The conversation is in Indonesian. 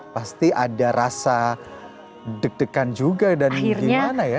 pasti ada rasa deg degan juga dan gimana ya